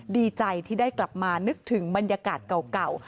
ดีใจที่ได้กลับมานึกถึงบรรยากาศเก่า